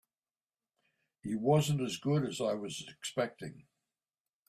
He wasn't as good as I was expecting.